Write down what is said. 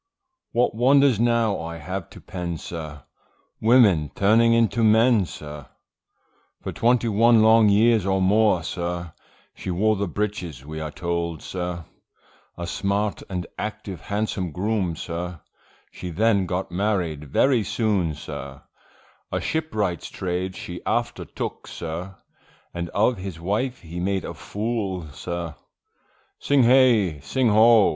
What wonders now I have to pen, sir, Women turning into men, sir, For twenty one long years, or more, sir, She wore the breeches we are told, sir, A smart and active handsome groom, sir, She then got married very soon, sir, A shipwright's trade she after took, sir, And of his wife, he made a fool sir. Sing hey! sing O!